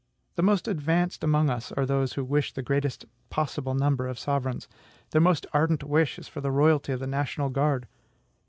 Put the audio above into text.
The most advanced among us are those who wish the greatest possible number of sovereigns, their most ardent wish is for the royalty of the National Guard.